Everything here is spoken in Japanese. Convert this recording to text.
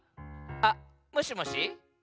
あっもしもし。